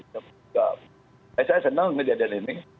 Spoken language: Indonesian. saya senang kejadian ini